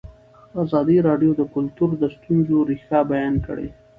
ازادي راډیو د کلتور د ستونزو رېښه بیان کړې.